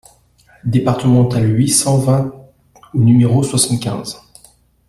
DEPARTEMENTALE huit cent vingt au numéro soixante-quinze